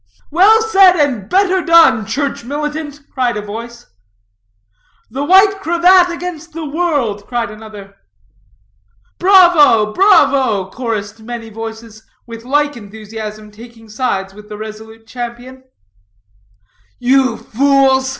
"Well said and better done, church militant!" cried a voice. "The white cravat against the world!" cried another. "Bravo, bravo!" chorused many voices, with like enthusiasm taking sides with the resolute champion. "You fools!"